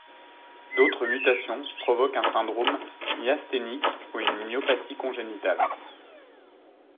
D'autres mutations provoquent un syndrome myasthénique ou une myopathie congénitale.